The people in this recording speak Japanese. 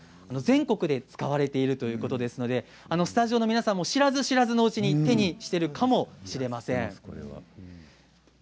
全国で使われているということですのでスタジオの皆さんも知らず知らずのうちに手にしているかもしれません。